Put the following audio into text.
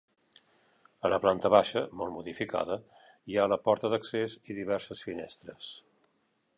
A la planta baixa, molt modificada, hi ha la porta d'accés i diverses finestres.